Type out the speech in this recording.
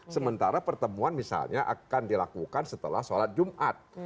sementara pertemuan misalnya akan dilakukan setelah sholat jumat